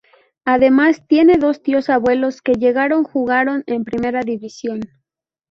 Además tiene dos tíos abuelos que llegaron jugaron en Primera División.